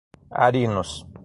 Arinos